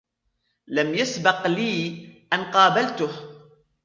لم يسبق لي أن قابلته.